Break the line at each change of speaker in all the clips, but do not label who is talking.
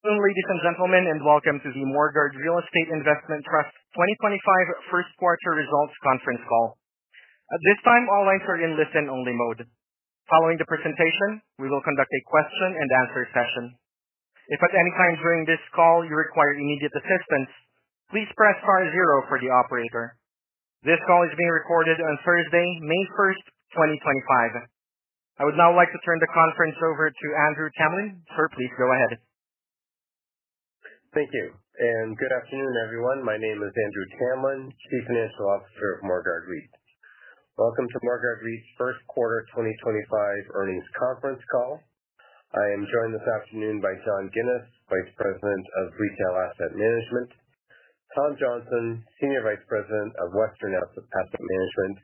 Ladies and gentlemen, and welcome to the Morguard Real Estate Investment Trust 2025 First Quarter Results Conference Call. At this time, all lines are in listen-only mode. Following the presentation, we will conduct a question-and-answer session. If at any time during this call you require immediate assistance, please press star zero for the operator. This call is being recorded on Thursday, May 1, 2025. I would now like to turn the conference over to Andrew Tamlin. Sir, please go ahead.
Thank you, and good afternoon, everyone. My name is Andrew Tamlin, Chief Financial Officer of Morguard Real Estate Investment Trust. Welcome to Morguard Real Estate Investment Trust's First Quarter 2025 Earnings Conference Call. I am joined this afternoon by John Ginis, Vice President of Retail Asset Management; Tom Johnston, Senior Vice President of Western Asset Management;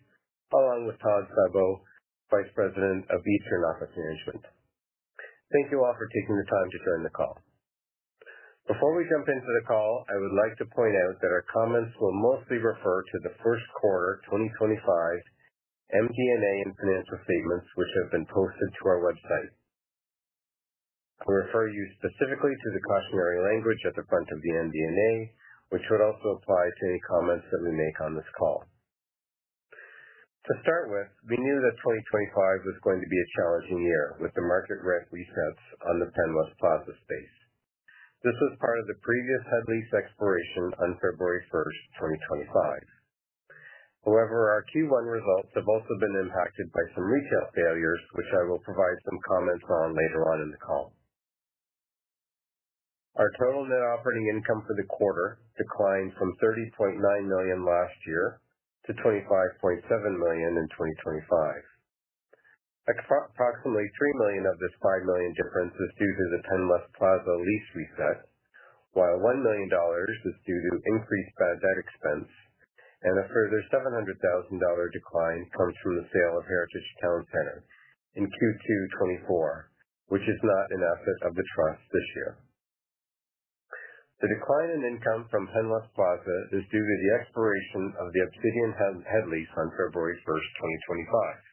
along with Todd Febbo, Vice President of Eastern Office Management. Thank you all for taking the time to join the call. Before we jump into the call, I would like to point out that our comments will mostly refer to the First Quarter 2025 MD&A and financial statements, which have been posted to our website. I'll refer you specifically to the cautionary language at the front of the MD&A, which would also apply to any comments that we make on this call. To start with, we knew that 2025 was going to be a challenging year with the market rate resets on the Penn West Plaza space. This was part of the previous head lease expiration on February 1, 2025. However, our Q1 results have also been impacted by some retail failures, which I will provide some comments on later on in the call. Our total net operating income for the quarter declined from 30.9 million last year to 25.7 million in 2025. Approximately 3 million of this 5 million difference is due to the Penn West Plaza lease reset, while 1 million dollars is due to increased bad debt expense, and a further 700,000 dollar decline comes from the sale of Heritage Town Center in Q2 2024, which is not an asset of the trust this year. The decline in income from Penn West Plaza is due to the expiration of the Obsidian head lease on February 1, 2025.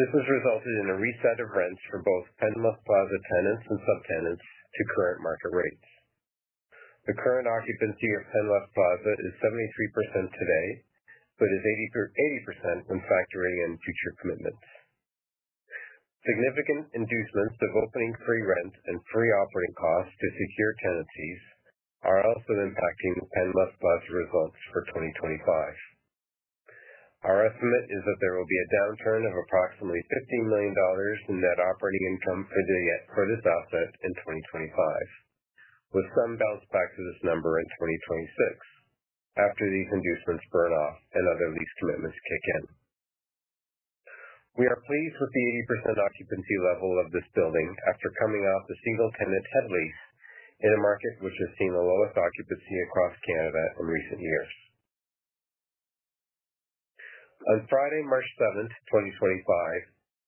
This has resulted in a reset of rents for both Penn West Plaza tenants and subtenants to current market rates. The current occupancy of Penn West Plaza is 73% today, but is 80% when factoring in future commitments. Significant inducements of opening free rent and free operating costs to secure tenancies are also impacting the Penn West Plaza results for 2025. Our estimate is that there will be a downturn of approximately 15 million dollars in net operating income for this asset in 2025, with some bounce back to this number in 2026 after these inducements burn off and other lease commitments kick in. We are pleased with the 80% occupancy level of this building after coming off the single-tenant head lease in a market which has seen the lowest occupancy across Canada in recent years. On Friday, March 7, 2025,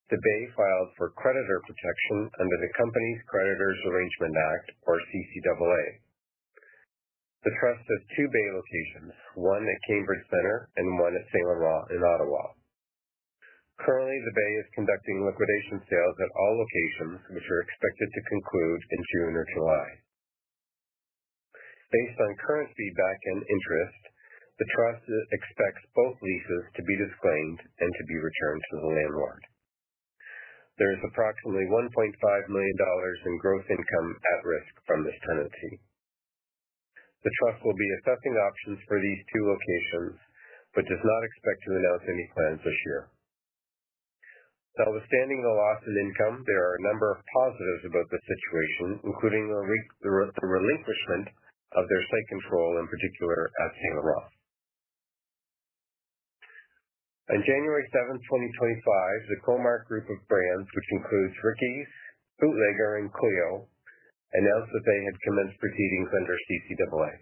The Bay filed for creditor protection under the Companies' Creditors Arrangement Act, or CCAA. The Trust has two Bay locations, one at Cambridge Centre and one at St. Laurent in Ottawa. Currently, The Bay is conducting liquidation sales at all locations, which are expected to conclude in June or July. Based on current feedback and interest, the Trust expects both leases to be disclaimed and to be returned to the landlord. There is approximately 1.5 million dollars in gross income at risk from this tenancy. The Trust will be assessing options for these two locations but does not expect to announce any plans this year. Notwithstanding the loss in income, there are a number of positives about the situation, including the relinquishment of their site control, in particular at St. Laurent. On January 7, 2025, the Comarch Group of Brands, which includes Ricky's, Bootlegger, and Clio, announced that they had commenced proceedings under CCAA.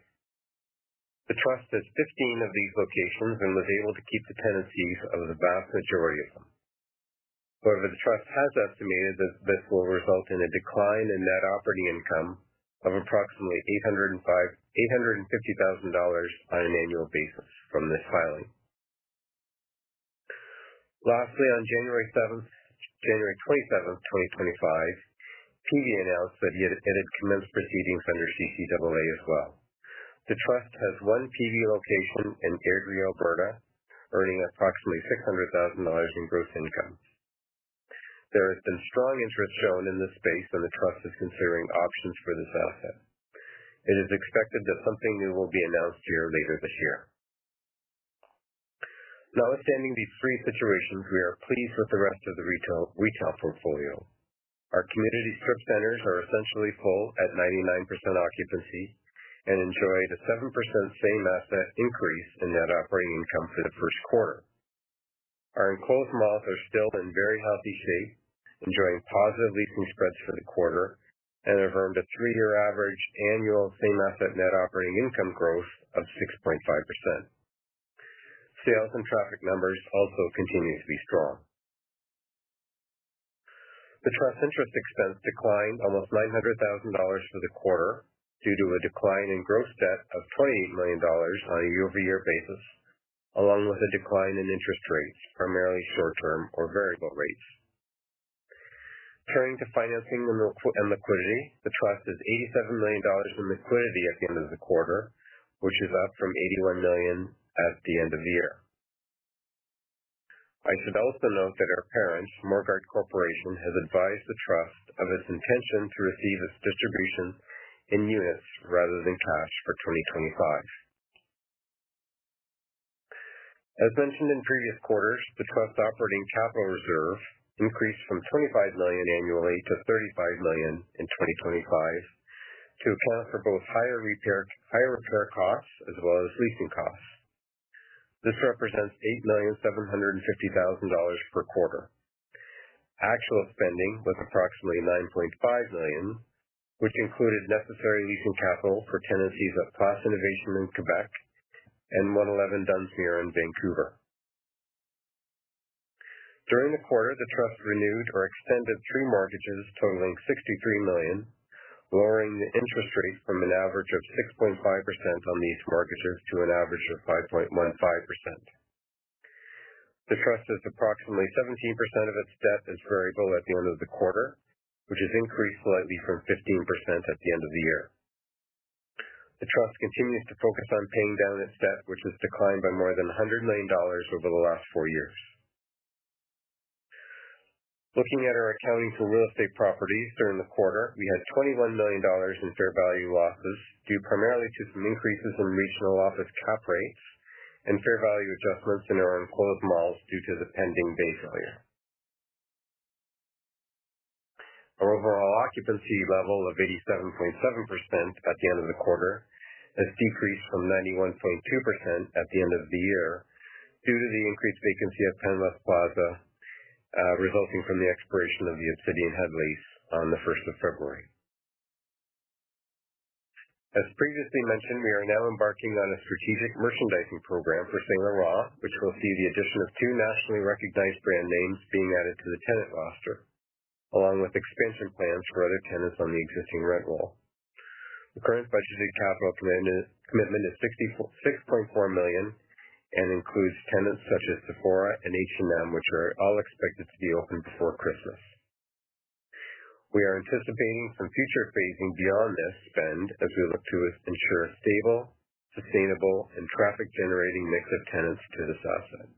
The trust has 15 of these locations and was able to keep the tenancies of the vast majority of them. However, the trust has estimated that this will result in a decline in net operating income of approximately 850,000 dollars on an annual basis from this filing. Lastly, on January 27, 2025, PV announced that it had commenced proceedings under CCAA as well. The trust has one PV location in Airdrie, Alberta, earning approximately 600,000 dollars in gross income. There has been strong interest shown in this space, and the trust is considering options for this asset. It is expected that something new will be announced here later this year. Notwithstanding these three situations, we are pleased with the rest of the retail portfolio. Our community strip centers are essentially full at 99% occupancy and enjoyed a 7% same-asset increase in net operating income for the first quarter. Our enclosed malls are still in very healthy shape, enjoying positive leasing spreads for the quarter, and have earned a three-year average annual same-asset net operating income growth of 6.5%. Sales and traffic numbers also continue to be strong. The Trust's interest expense declined almost 900,000 dollars for the quarter due to a decline in gross debt of 28 million dollars on a year-over-year basis, along with a decline in interest rates, primarily short-term or variable rates. Turning to financing and liquidity, the trust is 87 million dollars in liquidity at the end of the quarter, which is up from 81 million at the end of the year. I should also note that our parent, Morguard Corporation, has advised the trust of its intention to receive its distributions in units rather than cash for 2025. As mentioned in previous quarters, the trust's operating capital reserve increased from 25 million annually to 35 million in 2025 to account for both higher repair costs as well as leasing costs. This represents 8,750,000 dollars per quarter. Actual spending was approximately 9.5 million, which included necessary leasing capital for tenancies at Place Innovation in Quebec and 111 Dunsmuir in Vancouver. During the quarter, the trust renewed or extended three mortgages totaling 63 million, lowering the interest rate from an average of 6.5% on these mortgages to an average of 5.15%. The Trust has approximately 17% of its debt as variable at the end of the quarter, which has increased slightly from 15% at the end of the year. The Trust continues to focus on paying down its debt, which has declined by more than 100 million dollars over the last four years. Looking at our accounting for real estate properties during the quarter, we had 21 million dollars in fair value losses due primarily to some increases in regional office cap rates and fair value adjustments in our enclosed malls due to the pending Bay failure. Our overall occupancy level of 87.7% at the end of the quarter has decreased from 91.2% at the end of the year due to the increased vacancy at Penn West Plaza resulting from the expiration of the Obsidian head lease on the 1st of February. As previously mentioned, we are now embarking on a strategic merchandising program for St. Laurent, which will see the addition of two nationally recognized brand names being added to the tenant roster, along with expansion plans for other tenants on the existing rent roll. The current budgeted capital commitment is 6.4 million and includes tenants such as Sephora and H&M, which are all expected to be open before Christmas. We are anticipating some future phasing beyond this spend as we look to ensure a stable, sustainable, and traffic-generating mix of tenants to this asset.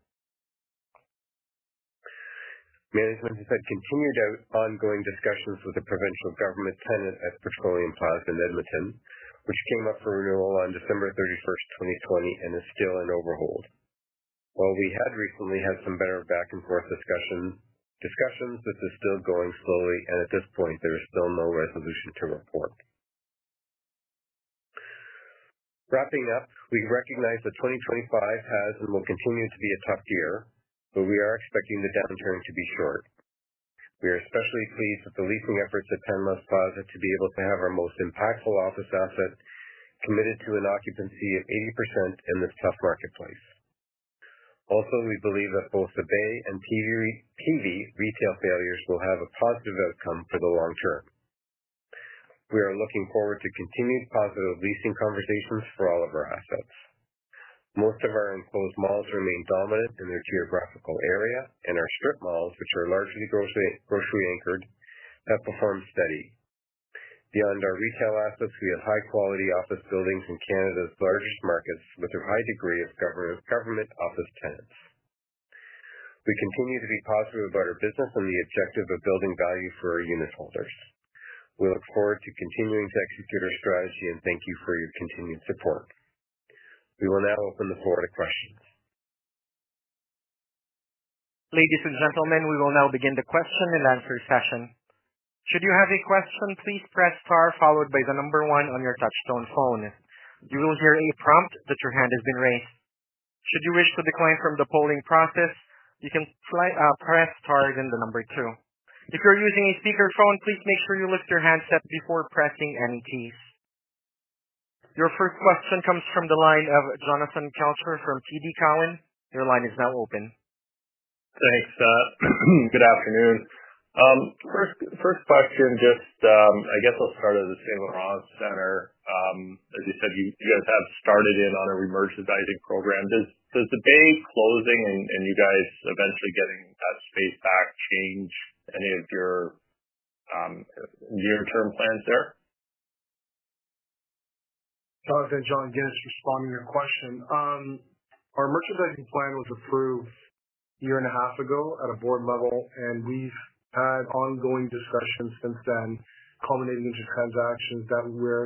Management has had continued ongoing discussions with the provincial government tenant at Petroleum Plaza in Edmonton, which came up for renewal on December 31, 2020, and is still in overhold. While we had recently had some better back-and-forth discussions, this is still going slowly, and at this point, there is still no resolution to report. Wrapping up, we recognize that 2025 has and will continue to be a tough year, but we are expecting the downturn to be short. We are especially pleased with the leasing efforts at Penn West Plaza to be able to have our most impactful office asset committed to an occupancy of 80% in this tough marketplace. Also, we believe that both The Bay and PV retail failures will have a positive outcome for the long term. We are looking forward to continued positive leasing conversations for all of our assets. Most of our enclosed malls remain dominant in their geographical area, and our strip malls, which are largely grocery-anchored, have performed steady. Beyond our retail assets, we have high-quality office buildings in Canada's largest markets with a high degree of government office tenants. We continue to be positive about our business and the objective of building value for our unit holders. We look forward to continuing to execute our strategy, and thank you for your continued support. We will now open the floor to questions.
Ladies and gentlemen, we will now begin the question and answer session. Should you have a question, please press star followed by the number one on your touchstone phone. You will hear a prompt that your hand has been raised. Should you wish to decline from the polling process, you can press star then the number two. If you're using a speakerphone, please make sure you lift your handset before pressing any keys. Your first question comes from the line of Jonathan Kelcher from TD Cowen. Your line is now open.
Thanks, Seth. Good afternoon. First question, just I guess I'll start at the St. Laurent Center. As you said, you guys have started in on a remerchandising program. Does The Bay closing and you guys eventually getting that space back change any of your near-term plans there?
Jonathan and John Ginis responding to your question. Our merchandising plan was approved a year and a half ago at a board level, and we've had ongoing discussions since then culminating into transactions that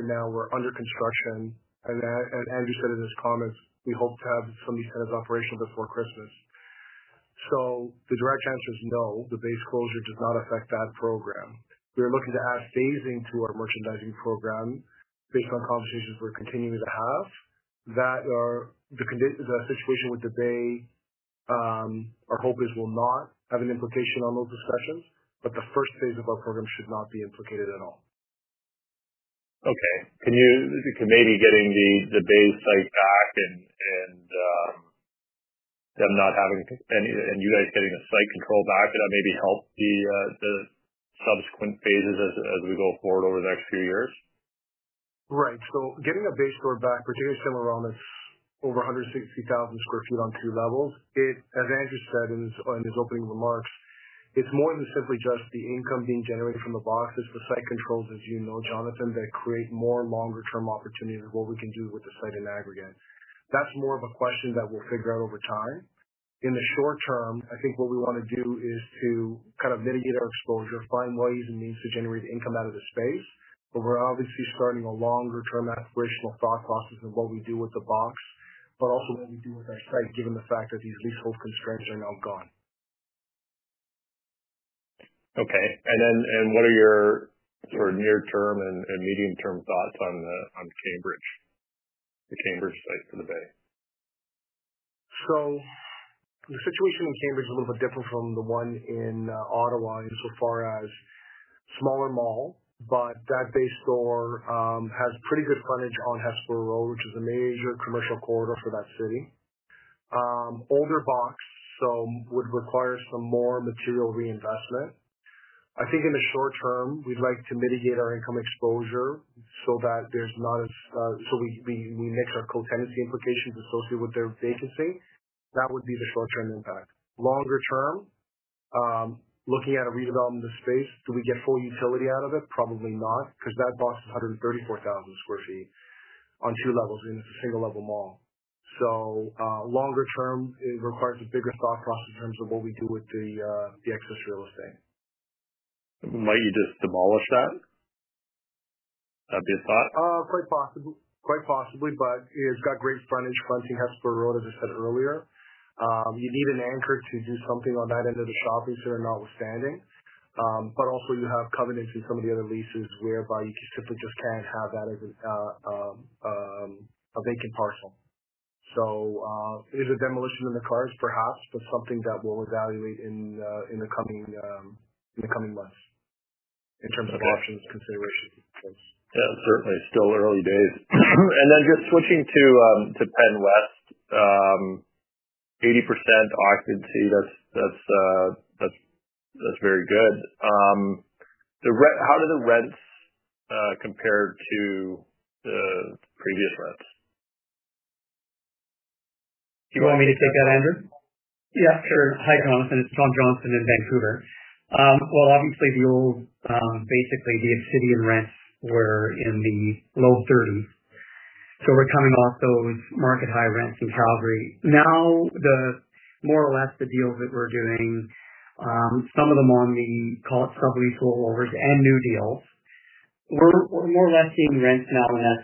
now we're under construction. As Andrew said in his comments, we hope to have some of these tenants operational before Christmas. The direct answer is no. The Bay's closure does not affect that program. We are looking to add phasing to our merchandising program based on conversations we're continuing to have that the situation with The Bay, our hope is, will not have an implication on those discussions, but the first phase of our program should not be implicated at all.
Okay. Can maybe getting The Bay site back and them not having any and you guys getting the site control back, would that maybe help the subsequent phases as we go forward over the next few years?
Right. Getting a Bay store back, particularly St. Laurent, that's over 160,000 sq ft on two levels, as Andrew said in his opening remarks, it's more than simply just the income being generated from the box. It's the site controls, as you know, Jonathan, that create more longer-term opportunities of what we can do with the site in aggregate. That is more of a question that we'll figure out over time. In the short term, I think what we want to do is to kind of mitigate our exposure, find ways and means to generate income out of the space. We are obviously starting a longer-term operational thought process of what we do with the box, but also what we do with our site, given the fact that these leasehold constraints are now gone.
Okay. What are your sort of near-term and medium-term thoughts on the Cambridge site for The Bay?
The situation in Cambridge is a little bit different from the one in Ottawa insofar as smaller mall, but that Bay store has pretty good frontage on Hespeler Road, which is a major commercial corridor for that city. Older box, so would require some more material reinvestment. I think in the short term, we'd like to mitigate our income exposure so that there's not as so we mix our co-tenancy implications associated with their vacancy. That would be the short-term impact. Longer term, looking at a redevelopment of the space, do we get full utility out of it? Probably not, because that box is 134,000 sq ft on two levels, and it's a single-level mall. Longer term, it requires a bigger thought process in terms of what we do with the excess real estate.
Might you just demolish that? That'd be a thought.
Quite possibly, but it's got great frontage fronting Hespeler Road, as I said earlier. You need an anchor to do something on that end of the shopping center notwithstanding. You also have covenants in some of the other leases whereby you simply just can't have that as a vacant parcel. Is demolition in the cards? Perhaps, but something that we'll evaluate in the coming months in terms of options consideration.
Yeah, certainly. Still early days. Just switching to Penn West, 80% occupancy, that's very good. How do the rents compare to the previous rents?
Do you want me to take that, Andrew?
Yeah, sure.
Hi, Jonathan. It's Tom Johnston in Vancouver. Obviously, basically, the Obsidian rents were in the low 30s. We're coming off those market-high rents in Calgary. Now, more or less, the deals that we're doing, some of them on the, call it sub-leasehold over and new deals, we're more or less seeing rents now in that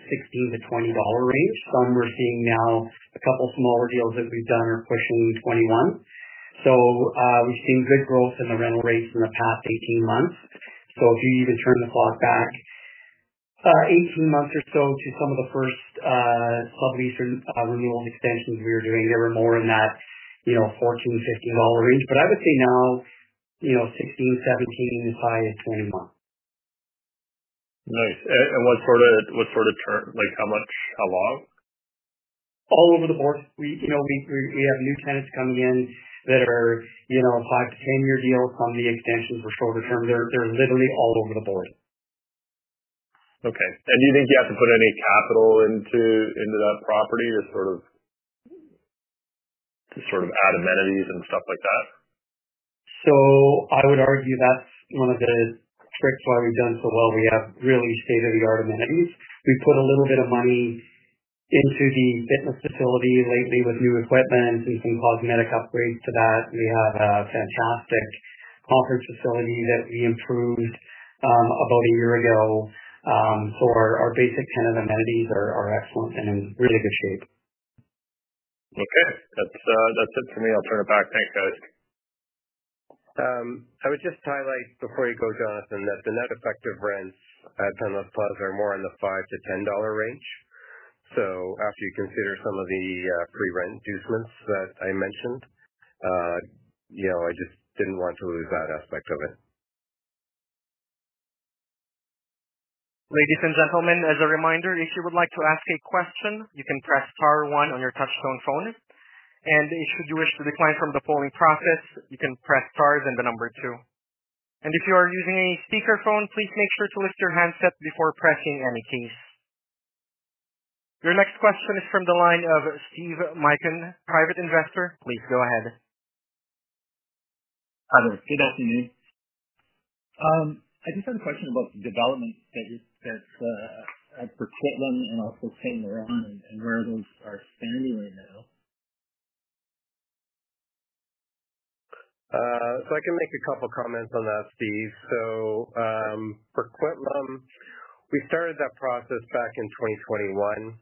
16-20 dollar range. Some we're seeing now, a couple of smaller deals that we've done are pushing 21. We've seen good growth in the rental rates in the past 18 months. If you even turn the clock back 18 months or so to some of the first sub-lease renewals extensions we were doing, they were more in that 14-15 dollar range. I would say now 16-17, as high as 21.
Nice. What sort of term? How long?
All over the board. We have new tenants coming in that are five- to ten-year deals on the extensions for shorter term. They're literally all over the board.
Okay. Do you think you have to put any capital into that property to sort of add amenities and stuff like that?
I would argue that's one of the tricks why we've done so well. We have really state-of-the-art amenities. We put a little bit of money into the fitness facility lately with new equipment and some cosmetic upgrades to that. We have a fantastic conference facility that we improved about a year ago. Our basic tenant amenities are excellent and in really good shape.
Okay. That's it for me. I'll turn it back. Thanks, guys. I would just highlight before you go, Jonathan, that the net effective rents at Penn West Plaza are more in the $5-$10 range. After you consider some of the pre-rent inducements that I mentioned, I just did not want to lose that aspect of it.
Ladies and gentlemen, as a reminder, if you would like to ask a question, you can press star one on your touchstone phone. If you wish to decline from the polling process, you can press star then the number two. If you are using a speakerphone, please make sure to lift your handset before pressing any keys. Your next question is from the line of Steve Miken, private investor. Please go ahead. Hi, there. Good afternoon. I just had a question about the development that's at Coquitlam and also St. Laurent and where those are standing right now.
I can make a couple of comments on that, Steve. For Coquitlam, we started that process back in 2021.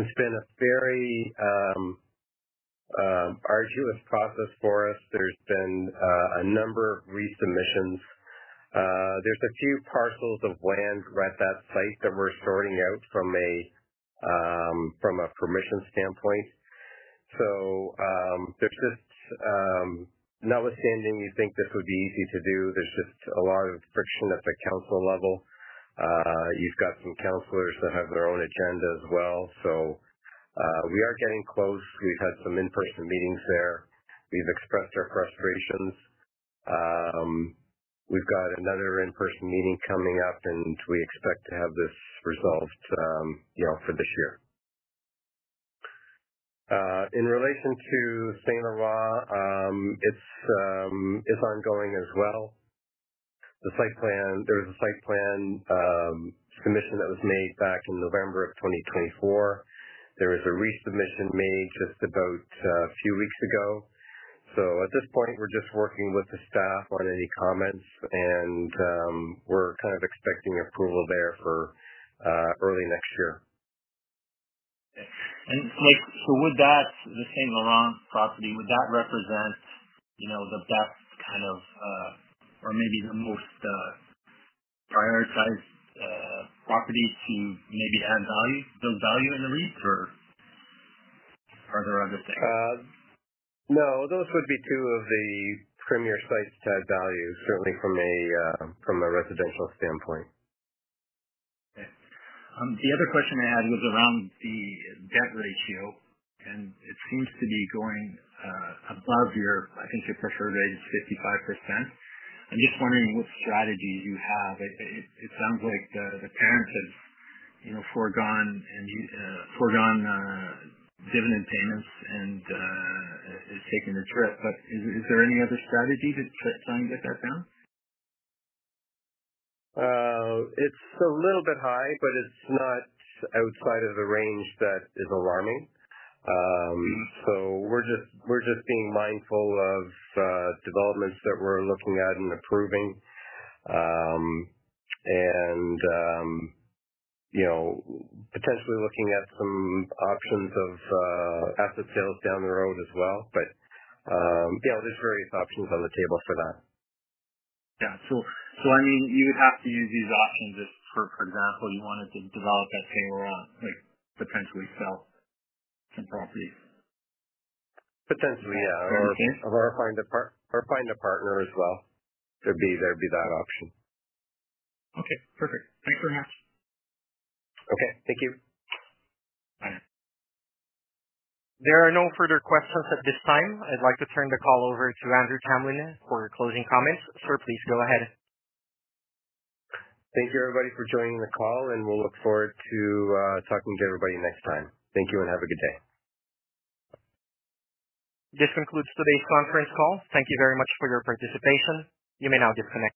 It's been a very arduous process for us. There's been a number of resubmissions. There are a few parcels of land right at that site that we're sorting out from a permission standpoint. Notwithstanding you think this would be easy to do, there's just a lot of friction at the council level. You've got some councilors that have their own agenda as well. We are getting close. We've had some in-person meetings there. We've expressed our frustrations. We've got another in-person meeting coming up, and we expect to have this resolved for this year. In relation to St. Laurent, it's ongoing as well. There was a site plan submission that was made back in November of 2024. There was a resubmission made just about a few weeks ago. At this point, we're just working with the staff on any comments, and we're kind of expecting approval there for early next year. Would that, the St. Laurent property, would that represent that kind of or maybe the most prioritized property to maybe add value, build value in the REIT, or are there other things? No, those would be two of the premier sites to add value, certainly from a residential standpoint. Okay. The other question I had was around the debt ratio, and it seems to be going above your, I think your preferred rate is 55%. I'm just wondering what strategies you have. It sounds like the parent has foregone dividend payments and has taken a trip, but is there any other strategy to try and get that down? It's a little bit high, but it's not outside of the range that is alarming. We are just being mindful of developments that we are looking at and approving and potentially looking at some options of asset sales down the road as well. There are various options on the table for that. Yeah. I mean, you would have to use these options if, for example, you wanted to develop at St. Laurent, potentially sell some property. Potentially, yeah. Or find a partner as well. There'd be that option. Okay. Perfect. Thanks very much. Okay. Thank you. Bye.
There are no further questions at this time. I'd like to turn the call over to Andrew Tamlin for closing comments. Sir, please go ahead.
Thank you, everybody, for joining the call, and we'll look forward to talking to everybody next time. Thank you and have a good day.
This concludes today's conference call. Thank you very much for your participation. You may now disconnect.